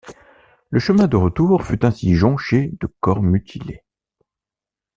Le chemin de retour fut ainsi jonchés de corps mutilés.